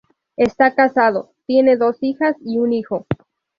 Está casado, tiene dos hijas y un hijo.